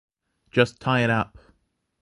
Just tie it up!